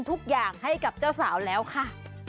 ทุกอย่างให้กับเจ้าสาวแล้วค่ะ